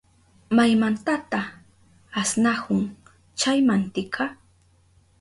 ¿Maymantata asnahun chay mantika?